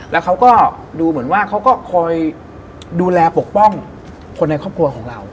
แล้วเขาก็ดูเหมือนว่าเขาก็คอยดูแลปกป้องคนในครอบครัวของเรา